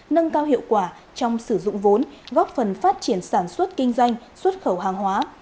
nâng cao hiệu quả trong sử dụng vốn góp phần phát triển sản xuất kinh doanh xuất khẩu hàng hóa